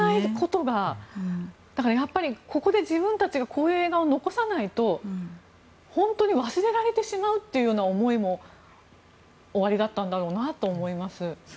やっぱりここで自分たちがこういう映画を残さないと本当に忘れられてしまうという思いもおありだったんだろうなと思います。